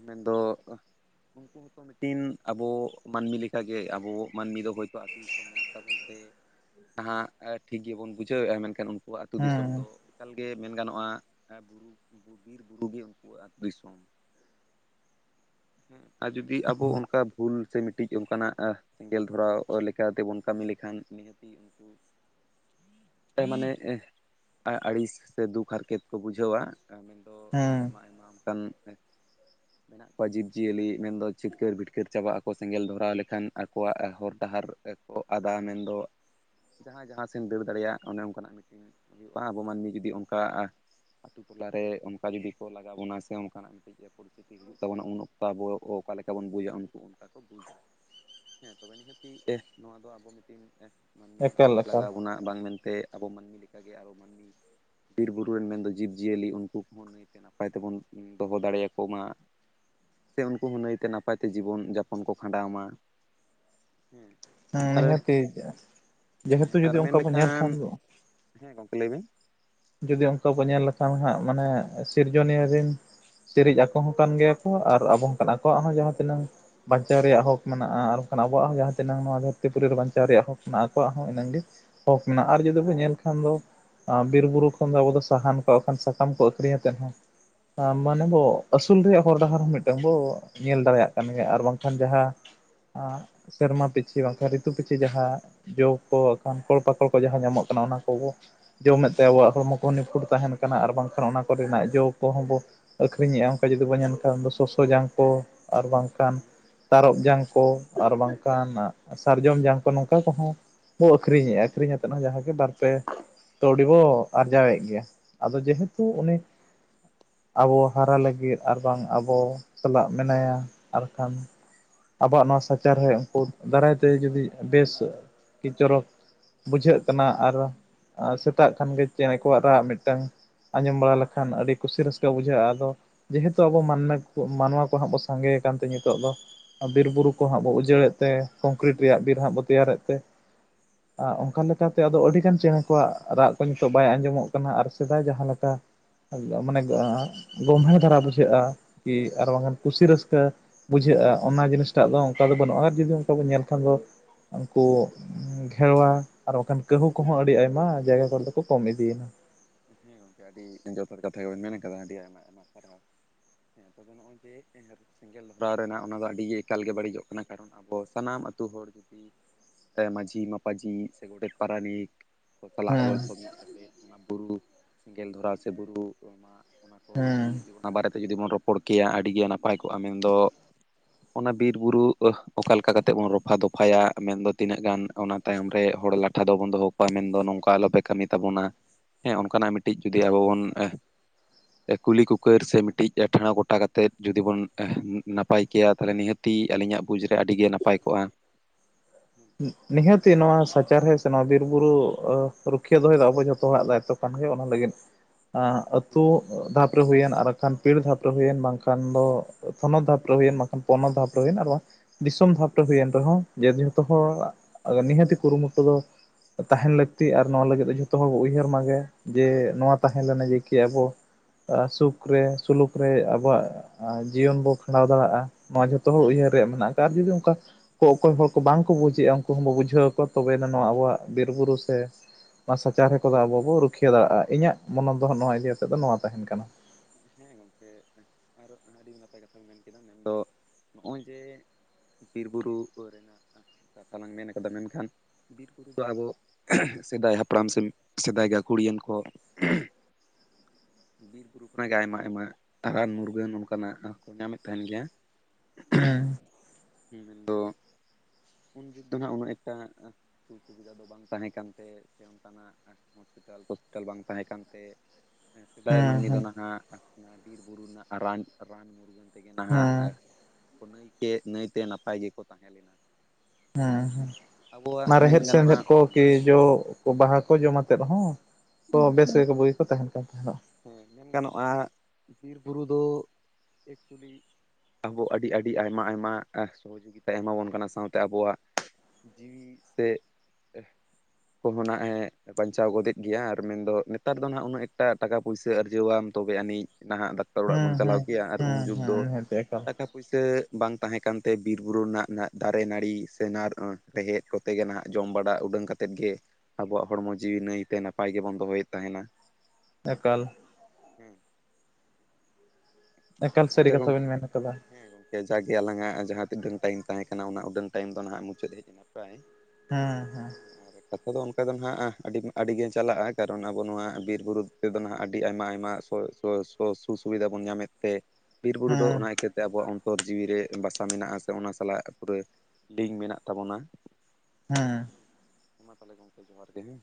ᱢᱮᱱᱫᱚ ᱩᱱᱠᱩ ᱦᱚᱸᱛᱚ ᱢᱤᱫᱴᱤᱱ ᱟᱵᱚ ᱢᱟᱹᱱᱢᱤ ᱞᱮᱠᱟᱜᱮ ᱟᱵᱚ ᱢᱟᱹᱱᱢᱤ ᱫᱚ ᱦᱚᱭᱛᱚ ᱟᱹᱛᱩ ᱫᱤᱥᱚᱢ ᱢᱮᱱᱟᱜ ᱛᱟᱵᱚᱱ ᱛᱮ- ᱱᱟᱦᱟᱜ ᱴᱷᱤᱠ ᱜᱮᱵᱚᱱ ᱵᱩᱡᱷᱟᱹᱣᱮᱫᱼᱟ ᱢᱮᱱᱠᱷᱟᱱ ᱩᱱᱠᱩᱣᱟᱜ ᱟᱹᱛᱩ ᱫᱤᱥᱚᱢ ᱫᱚ ᱦᱩᱸ ᱮᱠᱟᱞᱜᱮ ᱢᱮᱱ ᱜᱟᱱᱚᱜᱼᱟ᱾ ᱵᱩᱨᱩ ᱵᱤᱨ ᱵᱩᱨᱩ ᱜᱮ ᱩᱱᱠᱩᱣᱟᱜ ᱟᱹᱛᱩ ᱫᱤᱥᱚᱢ ᱾ ᱦᱮᱸ ᱟᱨ ᱡᱩᱫᱤ ᱟᱵᱚ ᱚᱱᱠᱟ ᱵᱷᱩᱞ ᱥᱮ ᱠᱟᱹᱴᱤᱡ ᱚᱱᱠᱟᱱᱟᱜ ᱥᱮᱸᱜᱮᱞ ᱫᱷᱚᱨᱟᱣ ᱞᱮᱠᱟᱛᱮ ᱵᱚᱱ ᱠᱟᱹᱢᱤ ᱞᱮᱠᱷᱟᱱ ᱱᱤᱦᱟᱹᱛᱤ ᱩᱱᱠᱩ ᱢᱟᱱᱮ ᱟᱹᱲᱤᱥ ᱥᱮ ᱫᱩᱠ ᱦᱟᱨᱠᱮᱛ ᱠᱚ ᱵᱩᱡᱷᱟᱹᱣᱟ, ᱢᱮᱱ ᱫᱚ ᱦᱩᱸ ᱟᱭᱢᱟ ᱟᱭᱢᱟ ᱚᱱᱠᱟᱱ ᱢᱮᱱᱟᱜ ᱠᱚᱣᱟ ᱾ ᱟᱠᱣᱟᱜ ᱡᱤᱵᱽᱼᱡᱤᱭᱟᱹᱞᱤ ᱢᱮᱱ ᱫᱚ ᱪᱷᱤᱴᱠᱟᱹᱨ ᱵᱷᱤᱴᱠᱟᱹᱨ ᱪᱟᱵᱟᱜ ᱟᱠᱚ ᱥᱮᱸᱜᱮᱞ ᱫᱷᱚᱨᱟᱣ ᱞᱮᱠᱷᱟᱱ, ᱟᱠᱚᱣᱟᱜ ᱦᱚᱨ ᱰᱟᱦᱟᱨ ᱨᱮᱠᱚ ᱟᱫᱟ ᱢᱮᱱ ᱫᱚ ᱡᱟᱦᱟᱸᱭ ᱡᱟᱦᱟᱸ ᱥᱮᱱ ᱫᱟᱹᱲ ᱫᱟᱲᱮᱭᱟᱜ, ᱚᱱᱮ ᱚᱱᱠᱟᱱᱟᱜ ᱢᱤᱫᱴᱝ ᱦᱩᱭᱩᱜᱼᱟ, ᱟᱵᱚ ᱢᱟᱹᱱᱢᱤ ᱡᱩᱫᱤ ᱚᱱᱠᱟ᱾ ᱟᱛᱩ ᱴᱚᱞᱟ ᱨᱮ ᱚᱱᱠᱟ ᱡᱩᱫᱤ ᱠᱚ ᱞᱟᱜᱟ ᱵᱚᱱᱟ ᱥᱮ ᱚᱱᱠᱟᱱᱟᱜ ᱢᱤᱫᱴᱤᱡ ᱜᱮ ᱠᱚ ᱯᱚᱨᱪᱤᱛᱤ ᱦᱤᱡᱩᱜ ᱛᱟᱵᱚᱱᱟ ᱾ ᱩᱱ ᱚᱠᱛᱚ ᱟᱵᱚ ᱚᱠᱟ ᱞᱮᱠᱟ ᱵᱚᱱ ᱵᱩᱡᱟ ᱩᱱᱠᱩ ᱚᱱᱠᱟ ᱠᱚ ᱵᱩᱡᱟ ᱾ ᱦᱮᱸ, ᱛᱚᱵᱮ ᱱᱤᱦᱟᱹᱛᱤ ᱱᱚᱣᱟ ᱫᱚ ᱟᱵᱚ ᱢᱤᱫᱴᱤᱱ ᱢᱟᱹᱱᱢᱤ ᱮᱠᱟᱞ ᱵᱩᱡᱽ ᱮᱠᱟᱞ ᱞᱟᱜᱟᱣ ᱵᱚᱱᱟ ᱵᱟᱝ ᱢᱮᱱᱛᱮ ᱟᱵᱚ ᱢᱟᱹᱱᱢᱤ ᱞᱮᱠᱟ ᱜᱮ ᱟᱨᱚ ᱢᱟᱹᱱᱢᱤ ᱵᱤᱨ ᱵᱩᱨᱩ ᱨᱮᱱ ᱢᱮᱱᱫᱚ ᱡᱤᱵᱽᱡᱤᱭᱟᱹᱞᱤ ᱩᱱᱠᱩ ᱠᱚᱦᱚᱸ ᱵᱟᱹᱭᱛᱮ ᱱᱟᱯᱟᱭ ᱛᱮᱵᱚᱱ ᱫᱚᱦᱚ ᱫᱟᱲᱮᱭᱟᱠᱚ ᱢᱟ ᱾ ᱥᱮ ᱩᱱᱠᱩ ᱦᱚᱸ ᱱᱟᱹᱭᱛᱮ ᱱᱟᱯᱟᱭ ᱛᱮ ᱡᱤᱵᱚᱱ ᱡᱟᱯᱚᱱ ᱠᱚ ᱠᱷᱟᱸᱰᱟᱣ ᱢᱟ, ᱦᱮᱸ ᱾ ᱦᱮᱸ, ᱱᱤᱦᱟᱹᱛ ᱡᱮᱦᱮᱛᱩ ᱟᱨ ᱡᱩᱫᱤ ᱚᱱᱠᱟ ᱵᱚᱱ ᱧᱮᱞ ᱢᱮᱱᱞᱠᱷᱟᱱ ᱠᱷᱟᱱ ᱫᱚ ᱦᱮᱸ, ᱜᱚᱝᱠᱮ ᱞᱟᱹᱭ ᱵᱤᱱ? ᱡᱩᱫᱤ ᱚᱱᱠᱟ ᱵᱚᱱ ᱧᱮᱞ ᱞᱮᱠᱷᱟᱱ ᱦᱟᱸᱜ ᱢᱟᱱᱮ ᱥᱤᱨᱡᱚᱱᱤᱭᱟᱹ ᱨᱤᱱ ᱥᱮᱨᱮᱡ ᱟᱠᱚ ᱦᱚᱸ ᱠᱟᱱ ᱜᱮᱭᱟ ᱠᱚ ᱟᱨ ᱟᱵᱚ ᱦᱚᱸᱠ ᱟᱠᱚᱣᱟᱜ ᱦᱚᱸ ᱡᱟᱦᱟᱸ ᱛᱤᱱᱟᱹᱝ ᱵᱟᱧᱪᱟᱣ ᱨᱮᱭᱟᱜ ᱦᱚᱠ ᱢᱮᱱᱟᱜᱼᱟ ᱟᱨ ᱵᱟᱝᱠᱷᱟᱱ ᱟᱵᱚᱣᱟᱜ ᱦᱚᱸ ᱡᱟᱦᱟᱸ ᱛᱤᱱᱟᱹᱝ ᱫᱷᱟᱹᱨᱛᱤ ᱯᱩᱨᱤ ᱨᱮ ᱵᱟᱧᱪᱟᱣ ᱨᱮᱭᱟᱜ ᱦᱚᱠ ᱢᱮᱱᱟᱜᱼᱟ ᱟᱠᱚᱣᱟᱜ ᱦᱚᱸ ᱤᱱᱟᱝ ᱜᱮᱼᱼ ᱦᱚᱠ ᱢᱮᱱᱟᱜᱼᱟ ᱟᱨ ᱡᱩᱫᱤ ᱯᱮ ᱧᱮᱞ ᱠᱷᱟᱱ ᱫᱚ ᱵᱤᱨ ᱵᱩᱨᱩ ᱮᱠᱷᱚᱱ ᱫᱚ ᱟᱵᱚ ᱫᱚ ᱥᱟᱦᱟᱱ ᱵᱟᱠᱷᱟᱱ ᱥᱟᱠᱟᱢ ᱠᱚ ᱟᱹᱠᱷᱨᱤᱧᱟᱛᱮᱫ ᱦᱚᱸᱼᱼ ᱢᱟᱱᱮ ᱵᱚ ᱟᱹᱥᱩᱞ ᱨᱮᱭᱟᱜ ᱦᱚᱨ ᱰᱟᱦᱟᱨ ᱦᱚᱸ ᱢᱤᱫᱴᱟᱝ ᱵᱚ ᱧᱮᱞ ᱫᱟᱲᱮᱭᱟᱜ ᱠᱟᱱᱜᱮ ᱟᱨ ᱵᱟᱝᱠᱷᱟᱱ ᱡᱟᱦᱟᱸ᱾ ᱥᱮᱨᱢᱟ ᱯᱤᱪᱷᱤ ᱵᱟᱝᱠᱷᱟᱱ ᱨᱤᱛᱩ ᱯᱤᱪᱷᱤ ᱡᱟᱦᱟᱸ ᱡᱚ ᱠᱚᱜ ᱠᱷᱟᱱ ᱯᱷᱟᱞ ᱯᱟᱠᱚᱲ ᱠᱚ ᱡᱟᱦᱟᱸ ᱧᱟᱢᱚᱜ ᱠᱟᱱᱟ, ᱚᱱᱟ ᱠᱚᱵᱚ ᱡᱚᱢᱮᱫ ᱛᱮ ᱟᱵᱚᱣᱟᱜᱼᱼ ᱦᱚᱲᱢᱚ ᱠᱚ ᱱᱤᱯᱷᱩᱴ ᱛᱟᱦᱮᱱ ᱠᱟᱱᱟ ᱟᱨ ᱵᱟᱝᱠᱷᱟᱱ ᱚᱱᱟ ᱠᱚ ᱨᱮᱱᱟᱜ ᱡᱚ ᱠᱚᱦᱚᱸ ᱵᱚᱼᱼ ᱟᱹᱠᱷᱨᱤᱧᱮᱜᱼᱟ ᱚᱱᱠᱟ ᱡᱩᱫᱤ ᱵᱚᱱ ᱧᱮᱞ ᱠᱷᱟᱱ ᱫᱚ ᱥᱚᱥᱚᱥᱚ ᱡᱟᱝ ᱠᱚ ᱟᱨ ᱵᱟᱝᱠᱷᱟᱱᱼᱼ ᱛᱟᱨᱚᱯ ᱡᱟᱝ ᱠᱚ ᱟᱨ ᱵᱟᱝᱠᱷᱟᱱ ᱥᱟᱨᱡᱚᱢ ᱡᱟᱝ ᱠᱚ ᱱᱚᱝᱠᱟ ᱠᱚᱦᱚᱸᱼᱼ ᱵᱚ ᱟᱹᱠᱷᱨᱤᱧᱮᱜᱼᱟ ᱟᱹᱷᱨᱤᱧ ᱠᱟᱛᱮ ᱦᱚᱸ ᱡᱟᱦᱟᱸ ᱜᱮ ᱵᱟᱨᱯᱮ ᱠᱟᱹᱣᱰᱤ ᱵᱚ ᱟᱨᱡᱟᱣᱮᱫ ᱜᱮᱭᱟ ᱟᱫᱚ ᱡᱮᱦᱮᱛᱩ ᱩᱱᱤᱼᱼ ᱟᱵᱚ ᱦᱟᱨᱟ ᱞᱟᱹᱜᱤᱫ ᱟᱨ ᱵᱟᱝ ᱟᱵᱚ ᱥᱟᱞᱟᱜ ᱢᱮᱱᱟᱭᱟ ᱟᱨ ᱠᱷᱟᱱ᱾ ᱟᱵᱚᱣᱟᱜ ᱱᱚᱣᱟ ᱥᱟᱪᱟᱨᱦᱮ ᱩᱱᱠᱩ ᱫᱟᱨᱟᱭ ᱛᱮ ᱡᱩᱫᱤ ᱵᱮᱥ ᱠᱤ ᱪᱚᱨᱚᱠ᱾ ᱵᱩᱡᱷᱟᱹᱜ ᱠᱟᱱᱟ ᱟᱨ ᱥᱮᱛᱟᱜ ᱠᱷᱟᱱ ᱜᱮ ᱪᱮᱸᱬᱮ ᱠᱚᱣᱟᱜ ᱨᱟᱜ ᱢᱤᱫᱴᱟᱝ ᱟᱸᱡᱚᱢ ᱵᱟᱲᱟ ᱞᱮᱠᱷᱟᱱ ᱟᱹᱰᱤ ᱠᱩᱥᱤ ᱨᱟᱹᱥᱠᱟᱹ ᱵᱩᱡᱷᱟᱹᱜᱼᱟ, ᱟᱫᱚ ᱡᱮᱦᱮᱛᱩ ᱟᱵᱚ ᱢᱟᱹᱱᱢᱤ ᱢᱟᱱᱣᱟ ᱠᱚ ᱦᱟᱸᱜ ᱵᱚ ᱥᱟᱸᱜᱮ ᱟᱠᱟᱱ ᱛᱮ ᱱᱤᱛᱚᱜ ᱫᱚ᱾ ᱵᱤᱨᱼᱵᱩᱨᱩ ᱠᱚ ᱦᱟᱸᱜ ᱵᱚ ᱩᱡᱟᱹᱲᱮᱫ ᱛᱮ ᱠᱚᱝᱠᱤᱨᱤᱴ ᱨᱮᱭᱟᱜ ᱵᱤᱨ ᱦᱟᱸᱜ ᱵᱚ ᱛᱮᱭᱟᱨᱮᱫ ᱛᱮ ᱟᱜ ᱚᱱᱠᱟ ᱞᱮᱠᱟᱛᱮ ᱟᱫᱚ ᱟᱹᱰᱤ ᱜᱟᱱ ᱪᱮᱸᱬᱮ ᱠᱚᱣᱟᱜ ᱨᱟᱜ ᱠᱚ ᱱᱤᱛᱚᱜ ᱵᱟᱭ ᱟᱸᱡᱚᱢᱚᱜ ᱠᱟᱱᱟ ᱟᱨ ᱥᱮᱫᱟᱭ ᱡᱟᱦᱟᱸ ᱞᱮᱠᱟ ᱢᱟᱱᱮ ᱜᱚᱢᱦᱮ ᱫᱷᱟᱨᱟ ᱵᱩᱡᱷᱟᱹᱜᱼᱟ ᱠᱤ ᱟᱨ ᱵᱟᱝ ᱠᱷᱟᱱ ᱠᱩᱥᱤ ᱨᱟᱹᱥᱠᱟᱹ ᱵᱩᱡᱷᱟᱹᱜᱼᱟ, ᱚᱱᱟ ᱡᱤᱱᱤᱥᱴᱟᱜ ᱫᱚ ᱚᱱᱠᱟ ᱫᱚ ᱵᱟᱹᱱᱩᱜᱼᱟ ᱟᱨ ᱡᱚᱫᱤ ᱚᱱᱠᱟ ᱵᱚᱱ ᱧᱮᱞ ᱠᱷᱟᱱ ᱫᱚ ᱩᱱᱠᱩ ᱜᱷᱮᱲᱣᱟ ᱟᱨ ᱵᱟᱠᱷᱟᱱ ᱠᱟᱹᱦᱩ ᱠᱚᱦᱚᱸ ᱟᱹᱰᱤ ᱟᱭᱢᱟ ᱡᱟᱭᱜᱟ ᱠᱚᱨᱮ ᱫᱚ ᱠᱚ ᱠᱚᱢ ᱤᱫᱤᱭᱱᱟ ᱾ ᱦᱮᱸ, ᱜᱚᱝᱠᱮ ᱟᱹᱰᱤ ᱡᱚᱛᱷᱟᱛ ᱠᱟᱛᱷᱟ ᱜᱮᱵᱮᱱ ᱢᱮᱱ ᱠᱟᱫᱟ ᱾ ᱟᱹᱰᱤ ᱟᱭᱢᱟ ᱟᱭᱢᱟ ᱥᱟᱨᱦᱟᱣ ᱦᱮᱸ ᱾ ᱛᱚᱵᱮ ᱱᱚᱜᱼᱚᱭ ᱡᱮ ᱥᱮᱸᱜᱮᱞ ᱫᱷᱚᱨᱟᱣ ᱨᱮᱱᱟᱜ ᱚᱱᱟ ᱫᱚ ᱟᱹᱰᱤ ᱜᱮ ᱮᱠᱟᱞ ᱜᱮ ᱵᱟᱹᱲᱤᱡᱚᱜ ᱠᱟᱱᱟ, ᱠᱟᱨᱚᱱ ᱟᱵᱚ ᱥᱟᱱᱟᱢ ᱟᱹᱛᱩ ᱦᱚᱲ ᱡᱩᱫᱤ ᱛᱮ ᱢᱟᱹᱡᱷᱤ ᱢᱟᱯᱟᱡᱷᱤ ᱥᱮ ᱜᱚᱰᱮᱛ ᱯᱟᱨᱟᱱᱤᱠ ᱠᱚ ᱥᱟᱞᱟᱜ ᱦᱮᱸ ᱜᱚᱞᱯᱷᱚ ᱢᱤᱫ ᱠᱟᱛᱮᱫ ᱚᱱᱟ ᱵᱩᱨᱩ ᱥᱮᱸᱜᱮᱞ ᱫᱷᱚᱨᱟᱣ ᱥᱮ ᱵᱩᱨᱩ ᱟᱭᱢᱟ ᱚᱱᱟ ᱠᱚ ᱢᱤᱫᱴᱤᱡ ᱦᱮᱸ ᱡᱩᱫᱤ ᱚᱱᱟ ᱵᱟᱨᱮᱛᱮ ᱡᱩᱫᱤ ᱵᱚᱱ ᱨᱚᱯᱚᱲ ᱠᱮᱭᱟ ᱟᱹᱰᱤ ᱜᱮ ᱱᱟᱯᱟᱭ ᱠᱚᱜᱼᱟ ᱢᱮᱱ ᱫᱚ ᱚᱱᱟ ᱵᱤᱨ ᱵᱩᱨᱩ ᱚᱠᱟ ᱞᱮᱠᱟ ᱠᱟᱛᱮ ᱵᱚᱱ ᱨᱚᱯᱷᱟ ᱫᱚᱯᱷᱟᱭᱟ ᱢᱮᱱᱫᱚ ᱛᱤᱱᱟᱹᱜ ᱜᱟᱱ ᱚᱱᱟ ᱛᱟᱭᱚᱢ ᱨᱮ ᱦᱚᱲ ᱞᱟᱴᱷᱟ ᱫᱚᱵᱚᱱ ᱫᱚᱦᱚ ᱠᱚᱣᱟ, ᱢᱮᱱ ᱫᱚ ᱱᱚᱝᱠᱟ ᱟᱞᱚ ᱯᱮ ᱠᱟᱹᱢᱤ ᱛᱟᱵᱚᱱᱟ ᱾ ᱦᱮᱸ ᱚᱱᱠᱟᱱᱟᱜ ᱢᱤᱫᱴᱤᱡ ᱡᱩᱫᱤ ᱟᱵᱚ ᱵᱚᱱ ᱮᱸᱦ ᱮ ᱠᱩᱞᱤ ᱠᱩᱠᱟᱹᱨ ᱥᱮ ᱢᱤᱫᱴᱤᱡ ᱴᱷᱟᱲᱚ ᱜᱚᱴᱟ ᱠᱟᱛᱮᱫ ᱡᱩᱫᱤ ᱵᱚᱱ ᱮᱦ ᱱᱟᱯᱟᱭ ᱠᱮᱭᱟ ᱛᱟᱦᱚᱞᱮ ᱱᱤᱦᱟᱹᱛ ᱛᱤ ᱟᱹᱞᱤᱧᱟᱜ ᱵᱩᱡᱽ ᱨᱮ ᱟᱹᱰᱤ ᱜᱮ ᱱᱟᱯᱟᱭ ᱠᱚᱜᱼᱟ ᱱᱤᱦᱟᱹᱛᱤ ᱠᱟᱨᱚᱱ ᱱᱚᱣᱟ ᱢᱮᱱ ᱥᱟᱪᱟᱨᱦᱮᱫ ᱥᱮ ᱱᱚᱣᱟ ᱵᱤᱨᱵᱩᱨᱩ ᱨᱩᱠᱷᱤᱭᱟᱹ ᱫᱚᱦᱚᱭ ᱫᱚ ᱟᱵᱚ ᱡᱚᱛᱚ ᱦᱚᱲᱟᱜ ᱫᱟᱭᱤᱛᱛᱚ ᱠᱟᱱᱜᱮ ᱚᱱᱟ ᱞᱟᱹᱜᱤᱫ [inaudible] ᱟ ᱟᱹᱛᱩ ᱫᱟᱯ ᱟᱹᱛᱩ ᱨᱮ ᱦᱩᱭᱮᱱ ᱟᱨ ᱟᱠᱷᱟᱱ ᱯᱤᱲ ᱫᱷᱟᱯ ᱨᱮ ᱦᱩᱭᱮᱱ, ᱵᱟᱝᱠᱷᱟᱱ ᱫᱚ ᱯᱚᱱᱚᱛ ᱫᱷᱟᱯ ᱨᱮ ᱦᱩᱭᱮᱱ, ᱵᱟᱝᱠᱷᱟᱱ ᱯᱚᱱᱚᱛ ᱫᱷᱟᱯ ᱨᱮ ᱦᱩᱭᱮᱱ ᱟᱨ ᱵᱟᱝ ᱫᱤᱥᱚᱢ ᱫᱷᱟᱯ ᱨᱮ ᱦᱩᱭᱮᱱ ᱨᱮᱦᱚᱸ ᱡᱮ ᱡᱚᱛᱚ ᱦᱚᱲ ᱱᱤᱦᱟᱹᱛᱤ ᱠᱩᱨᱩᱢᱩᱴᱩ ᱫᱚ ᱛᱟᱦᱮᱱ ᱞᱟᱹᱠᱛᱤ ᱟᱨ ᱱᱚᱣᱟ ᱞᱟᱹᱜᱤᱫ ᱫᱚ ᱡᱷᱚᱛᱚ ᱦᱚᱲ ᱵᱚᱱ ᱩᱭᱦᱟᱹᱨ ᱢᱟᱜᱮ ᱡᱮ ᱱᱚᱣᱟ ᱛᱟᱦᱮᱸ ᱞᱮᱱᱟ ᱡᱮᱠᱤ ᱟᱵᱚ ᱥᱩᱠ ᱨᱮ, ᱥᱩᱞᱩᱠ ᱨᱮ, ᱟᱵᱚᱣᱟᱜ ᱟ ᱡᱤᱭᱚᱱ ᱵᱚ ᱠᱷᱟᱸᱰᱟᱣ ᱫᱟᱲᱮᱭᱟᱜᱼᱟ ᱱᱚᱣᱟ ᱡᱷᱚᱛᱚ ᱦᱚᱲ ᱩᱭᱦᱟᱹᱨ ᱨᱮᱭᱟᱜ ᱢᱮᱱᱟᱜ ᱠᱟᱜ ᱟ ᱟᱨ ᱡᱩᱫᱤ ᱚᱱᱠᱟ ᱠᱚ ᱚᱠᱚᱭ ᱦᱚ ᱵᱟᱝᱠᱚ ᱵᱩᱡᱮᱫᱼᱟ ᱩᱱᱠᱩ ᱦᱚᱸᱵᱚ ᱵᱩᱡᱷᱟᱹᱣ ᱟᱠᱚ ᱛᱚᱵᱮᱱᱟ ᱱᱚᱣᱟ ᱟᱵᱚᱣᱟᱜ ᱵᱤᱨ ᱵᱩᱨᱩ ᱥᱮ ᱱᱚᱣᱟ ᱥᱟᱪᱟᱨᱦᱮ ᱠᱚᱫᱚ ᱟᱵᱚ ᱵᱚ ᱨᱩᱠᱷᱤᱭᱟᱹᱟᱹ ᱫᱟᱲᱮᱭᱟᱜᱼᱟ ᱤᱧᱟᱹᱜ ᱢᱚᱱᱚᱫ ᱫᱚ ᱱᱚᱣᱟ ᱤᱭᱟ ᱟᱛᱮᱫ ᱫᱚ ᱱᱚᱣᱟ ᱛᱟᱦᱮᱱ ᱠᱟᱱᱟ᱾ ᱦᱮᱸ ᱜᱚᱝᱠᱮ ᱟᱨ ᱟᱹᱰᱤ ᱱᱟᱯᱟᱭ ᱠᱟᱛᱷᱟᱢ ᱢᱮᱱ ᱠᱮᱫᱟ ᱢᱮᱱᱫᱚ ᱱᱚᱜᱼᱚᱭ ᱡᱮ ᱵᱤᱨᱼᱵᱩᱨᱩ ᱨᱮᱱᱟᱜ ᱠᱟᱛᱷᱟ ᱞᱟᱝ ᱢᱮᱱ ᱠᱟᱫᱟ ᱢᱮᱱᱠᱷᱟᱱ ᱵᱤᱨ, ᱵᱩᱨᱩ ᱫᱚ ᱟᱵᱚ ᱮᱦ ᱥᱮᱫᱟᱭ ᱦᱟᱯᱲᱟᱢ ᱥᱮ ᱥᱮᱫᱟᱭ ᱜᱟᱹᱠᱷᱩᱲᱟᱱ ᱠᱚ [unintelligible] ᱵᱤᱨ, ᱵᱩᱨᱩ ᱚᱱᱟᱜᱮ ᱟᱭᱢᱟ ᱟᱭᱢᱟ ᱨᱟᱱ, ᱢᱩᱨᱜᱟᱹᱱ ᱚᱱᱠᱟᱱᱟᱜ ᱠᱚ ᱧᱟᱢᱮᱫ ᱛᱟᱦᱮᱱ ᱜᱮᱭᱟ᱾ ᱦᱮᱸ᱾ ᱦᱩᱸ ᱢᱮᱱᱫᱚ ᱩᱱ ᱡᱩᱜᱽ ᱫᱚ ᱱᱟᱜ ᱩᱱᱟᱹᱜ ᱮᱠᱴᱟ ᱥᱩᱜ ᱥᱩᱵᱤᱫᱟ ᱫᱚ ᱵᱟᱝ ᱛᱟᱦᱮᱸ ᱠᱟᱱᱛᱮ ᱥᱮ ᱚᱱᱠᱟᱱᱟᱜ ᱦᱚᱥᱯᱤᱴᱟᱞ, ᱠᱚᱥᱯᱤᱴᱟᱞ ᱵᱟᱝ ᱛᱟᱦᱮᱸ ᱠᱟᱱᱛᱮ ᱦᱮᱸ ᱥᱮᱫᱟᱭ ᱦᱩᱸ ᱢᱟᱹᱱᱢᱤ ᱫᱚ ᱦᱩᱸ ᱱᱟᱦᱟᱜ ᱚᱱᱟ ᱵᱤᱨ-ᱵᱩᱨᱩ ᱨᱮᱱᱟᱜ ᱨᱟᱱ ᱨᱟᱱ ᱢᱩᱨᱜᱟᱹᱱ ᱛᱮᱜᱮ ᱱᱟᱦᱟᱜ ᱮ ᱦᱩᱸ ᱱᱟᱹᱭᱛᱮ, ᱱᱟᱹᱭᱛᱮ ᱱᱟᱯᱟᱭ ᱜᱮᱠᱚ ᱛᱟᱦᱮᱸ ᱞᱮᱱᱟ᱾ ᱦᱮᱸ ᱦᱮᱸ ᱟᱵᱚᱣᱟᱜ ᱢᱟ ᱨᱮᱦᱮᱫ ᱢᱮᱱ ᱜᱟᱱᱚᱜᱼᱟ [unintelligible] ᱠᱚ ᱠᱤ ᱡᱚ ᱵᱟᱦᱟ ᱠᱚ ᱡᱚᱢ ᱟᱛᱮᱫ ᱦᱚᱸ ᱛᱚ ᱵᱮᱥ ᱦᱮᱸ ᱜᱮᱠᱚ ᱵᱩᱜᱤ ᱠᱚ ᱛᱟᱦᱮᱱ ᱠᱟᱱ ᱛᱟᱦᱮᱱᱚᱜ᱾ ᱦᱮᱸ ᱢᱮᱱ ᱜᱟᱱᱚᱜᱼᱟ ᱵᱤᱨ-ᱵᱩᱨᱩ ᱫᱚ ᱮᱠ ᱮᱠᱪᱩᱭᱮᱞᱤ ᱟᱵᱚ ᱟᱹᱰᱤ ᱟᱹᱰᱤ ᱟᱭᱢᱟ ᱟᱭᱢᱟ ᱥᱚᱦ ᱥᱚᱦᱚᱡᱳᱜᱤᱛᱟᱭ ᱮᱢᱟᱵᱚᱱ ᱠᱟᱱᱟ ᱥᱟᱶᱛᱮ ᱟᱵᱚᱣᱟᱜ ᱡᱤᱣᱤ ᱥᱮ ᱠᱚᱦᱚᱸᱱᱟᱜᱼᱮ ᱵᱟᱧᱪᱟᱣ ᱜᱚᱫᱮᱫ ᱜᱮᱭᱟ ᱟᱨ ᱢᱮᱱᱫᱚ ᱱᱮᱛᱟᱨ ᱫᱚ ᱱᱟᱦᱟᱸᱜ ᱩᱱᱟᱹᱜ ᱮᱴᱟ ᱴᱟᱠᱟ ᱯᱩᱭᱥᱟᱹ ᱟᱨᱡᱟᱹᱣᱟᱢ ᱛᱚᱵᱮ ᱟᱹᱱᱤᱡ ᱱᱟᱦᱟᱸᱜ ᱫᱟ ᱠᱟ ᱚᱲᱟᱜ ᱦᱩᱸ ᱵᱚᱱ ᱪᱟᱞᱟᱣ ᱦᱩᱸ ᱠᱮᱭᱟ ᱟᱨ ᱩᱱ ᱦᱩᱸ ᱡᱩᱜᱽ ᱦᱩᱸ ᱫᱚ ᱱᱤᱦᱟᱹᱛᱤ ᱮᱠᱟᱞ ᱴᱟᱠᱟ ᱯᱩᱭᱥᱟᱹ ᱵᱟᱝ ᱛᱟᱦᱮᱸ ᱠᱟᱱᱛᱮ ᱵᱤᱨ-ᱵᱩᱨᱩ ᱨᱮᱱᱟᱜ ᱫᱟᱨᱮ ᱱᱟᱹᱲᱤ ᱥᱮ ᱱᱟᱨ ᱨᱮᱦᱮᱫ ᱠᱚ ᱛᱮᱜᱮ ᱱᱟᱦᱟᱸᱜ ᱡᱚᱢ ᱵᱟᱲᱟ ᱩᱰᱟᱹᱝ ᱠᱟ ᱠᱟᱛᱮᱫ ᱜᱮ ᱟᱵᱚᱣᱟᱜ ᱦᱚᱲᱢᱚ ᱡᱤᱣᱤ ᱱᱟᱹᱭᱛᱮ ᱱᱟ ᱯᱟᱭ ᱜᱮ ᱵᱚᱱᱫᱚᱚᱭᱮᱫ ᱛᱟᱦᱮ-ᱱᱟ᱾ ᱮᱠᱟᱞ᱾ ᱦᱮᱸ᱾ ᱮᱠᱟᱞ ᱥᱟᱹᱨᱤ ᱟᱪᱪᱷᱟ ᱠᱟᱛᱷᱟ ᱜᱚᱝᱠᱮ ᱵᱮᱱ ᱢᱮᱱ ᱟᱠᱟᱫᱟ ᱦᱮᱸ ᱜᱚᱝᱠᱮ᱾ ᱡᱟᱜᱮ ᱟᱞᱟᱝᱼᱟᱜ ᱡᱟᱦᱟᱸ ᱛᱤᱰᱟᱹᱝ ᱴᱟᱭᱤᱢ ᱛᱟᱦᱮᱸ ᱠᱟᱱᱟ ᱚᱱᱟ ᱩᱰᱟᱹᱝ ᱴᱟᱭᱤᱢ ᱫᱚ ᱱᱟᱦᱟᱸᱜ ᱢᱩᱪᱟᱹᱫ ᱦᱮᱡ ᱱᱟ ᱯᱨᱟᱭ, ᱦᱩᱸ ᱦᱩᱸ᱾ ᱟᱨ ᱠᱟᱛᱷᱟ ᱫᱚ ᱚᱱᱠᱟ ᱫᱚ ᱱᱟᱦᱟᱸᱜ ᱟᱹᱰᱤ ᱟᱹᱰᱤᱜᱮ ᱪᱟᱞᱟᱜᱼᱟ ᱠᱟᱨᱚᱱ ᱟᱵᱚ ᱱᱚᱣᱟ ᱵᱤᱨ-ᱵᱩᱨᱩ ᱛᱮᱫᱚ ᱱᱟᱦᱟᱸᱜ ᱟᱹᱰᱤ ᱟᱭᱢᱟ ᱟᱭᱢᱟ [unintelligible] ᱥᱚ ᱫᱚ ᱥᱩ ᱥᱩᱵᱤᱫᱟ ᱵᱚᱱ ᱧᱟᱢᱮᱫ ᱛᱮ ᱵᱤᱨ-ᱵᱩᱨᱩ ᱫᱚ ᱦᱮᱸ ᱚᱱᱟ ᱪᱮᱛᱮ ᱟᱵᱚᱣᱟᱜ ᱚᱱᱛᱚᱨ ᱡᱤᱹᱭᱤᱹ ᱨᱮ ᱵᱟᱥᱟ ᱢᱮᱱᱟᱜᱼᱟ, ᱥᱮ ᱚᱱᱟ ᱥᱟᱞᱟᱜ ᱯᱩᱨᱟᱹ ᱞᱤᱝᱠ ᱢᱮᱱᱟᱜ ᱛᱟᱵᱚᱱᱟ᱾ ᱦᱩᱸ᱾ ᱢᱟ ᱛᱟᱦᱚᱞᱮ ᱜᱚᱝᱠᱮ ᱡᱚᱦᱟᱨ ᱜᱮ ᱦᱮᱸ᱾